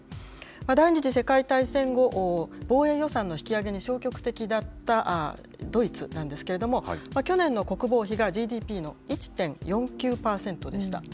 第２次世界大戦後、防衛予算の引き上げに消極的だったドイツなんですけれども、去年の国防費がＧＤＰの１．４９％でした。